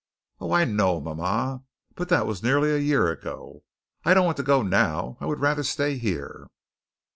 "Oh, I know, mama, but that was nearly a year ago. I don't want to go now. I would rather stay here."